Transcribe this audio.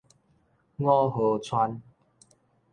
五和村